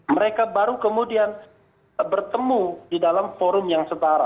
mereka baru kemudian bertemu di dalam forum yang setara